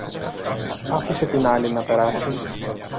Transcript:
άφησε την άλλη να περάσει